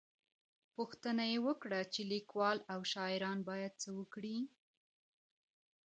_پوښتنه يې وکړه چې ليکوال او شاعران بايد څه وکړي؟